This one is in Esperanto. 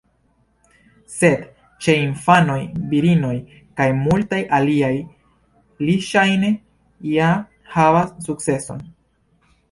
Sed ĉe infanoj, virinoj kaj multaj aliaj, li ŝajne ja havas sukceson.